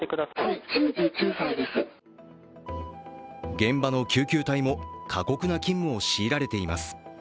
現場の救急隊も過酷な勤務を強いられています。